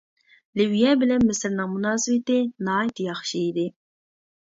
لىۋىيە بىلەن مىسىرنىڭ مۇناسىۋىتى ناھايىتى ياخشى ئىدى.